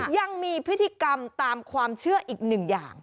ยังมีพิธีกรรมตามความเชื่ออีกหนึ่งอย่าง